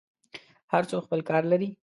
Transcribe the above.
هر څوک خپل کار لري.